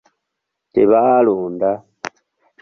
Tebaalonda.